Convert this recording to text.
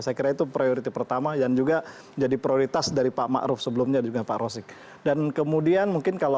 saya kira itu prioritas pertama dan juga jadi prioritas dari pak ma'ruf sebelumnya dan juga pak rosik